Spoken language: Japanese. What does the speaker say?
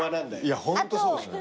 いやホントそうですね。